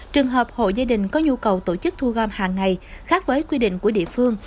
trường hợp hội gia đình có nhu cầu tổ chức thu gom hàng ngày khác với quy định của địa phương